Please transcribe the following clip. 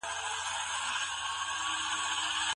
که موږ نن بایللې وي نو سبا به یې ګټو.